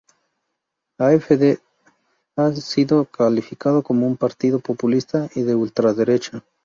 AfD ha sido calificado como un partido populista y de ultraderecha.